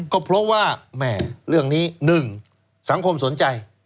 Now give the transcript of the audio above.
ก็เพราะว่าแม่เรื่องนี้๑สังคมสนใจ